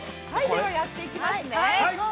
では、やっていきますね。